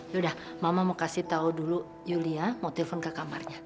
yaudah mama mau kasih tahu dulu yulia mau telepon ke kamarnya